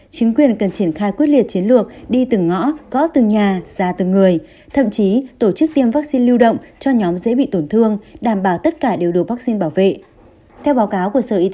chính quyền cần triển khai quyết liệt chiến lược đi từng ngõ gõ từng nhà ra từng người thậm chí tổ chức tiêm vaccine lưu động cho nhóm dễ bị tổn thương đảm bảo tất cả đều đổ vaccine bảo vệ